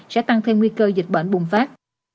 sẽ tăng thêm nguy cơ dịch bệnh bùng phát